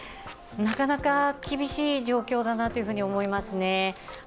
なかなか厳しい状況だなと思いますね。